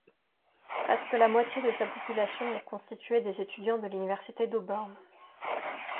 Presque la moitié de sa population est constituée des étudiants de l'Université d'Auburn.